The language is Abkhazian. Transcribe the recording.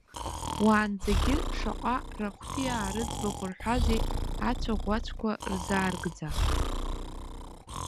Уаанӡагьы шаҟа рахәҭиаа рыӡбахә рҳәазеи, ацәаӷәацәқәа рзааргӡа.